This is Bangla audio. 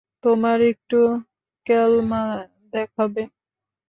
তোমার একটু কেলমা দেখাবে?